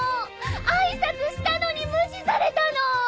挨拶したのに無視されたの。